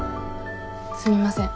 すみません。